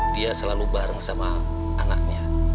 dia selalu bareng sama anaknya